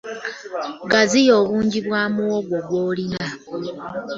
Gaziya obungi bwa muwogo gwolima